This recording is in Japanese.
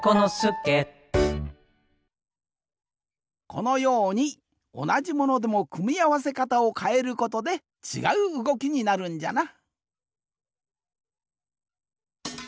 このようにおなじものでもくみあわせかたをかえることでちがううごきになるんじゃな。